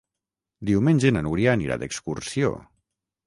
Diumenge na Núria anirà d'excursió.